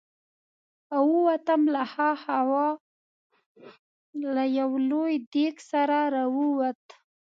او ووتم، له ها خوا له یو لوی دېګ سره را ووت.